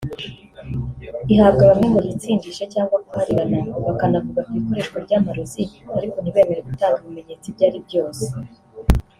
ihabwa bamwe ngo bitsindishe cyangwa guharirana bakanavuga ku ikoreshwa ry’amarozi ariko ntibemere gutanga ibimenyetso ibyo ari byose